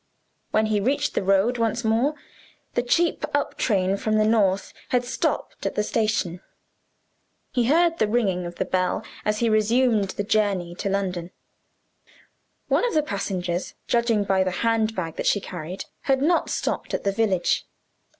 When he reached the road once more, the cheap up train from the North had stopped at the station. He heard the ringing of the bell as it resumed the journey to London. One of the passengers (judging by the handbag that she carried) had not stopped at the village.